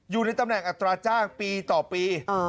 อยู่ในตำแหน่งอัตราจ้างปีต่อปี